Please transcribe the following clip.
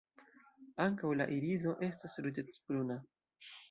Ankaŭ la iriso estas ruĝecbruna.